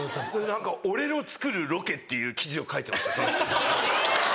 何か「俺の作るロケ」っていう記事を書いてましたその人。